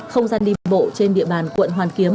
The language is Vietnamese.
không gian đi bộ trên địa bàn quận hoàn kiếm